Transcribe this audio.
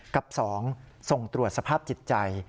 กับ๒ส่งตรวจสภาพจิตใจ